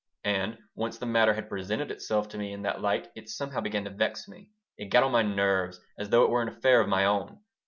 And once the matter had presented itself to me in that light it somehow began to vex me. It got on my nerves, as though it were an affair of my own.